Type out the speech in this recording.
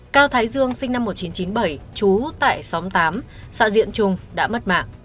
cao thái dương sinh năm một nghìn chín trăm chín mươi bảy trú tại xóm tám xã diễn trung đã mất mạng